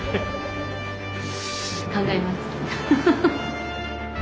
考えます。